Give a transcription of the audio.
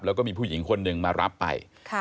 แล้วก็มีผู้หญิงคนหนึ่งมารับไป